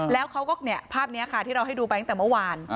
แล้วเขาก็ภาพนี้ค่ะที่เราให้ดูไปตั้งแต่เมื่อวาน